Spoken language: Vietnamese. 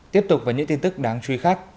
tiếp tục với những tin tức đáng truy khắc